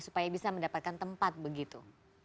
supaya bisa mendapatkan tempat begitu